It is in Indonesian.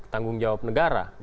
tanggung jawab negara